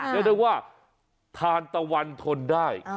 ก็ได้ว่าทานตะวันทนได้